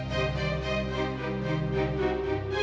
jangan diangkat tuh